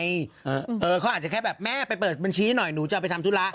เขาอาจจะแค่แบบแม่ไปเปิดบัญชีหน่อยหนูจะไปทำธุระ